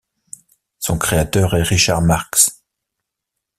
Son créateur est Richard Marks.